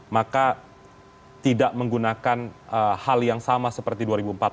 maka tidak menggunakan hal yang sama seperti dua ribu empat belas